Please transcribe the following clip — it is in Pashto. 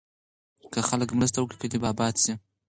که خلک مرسته وکړي، کلي به اباد شي.